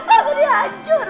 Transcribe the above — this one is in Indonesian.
aku dihancur mas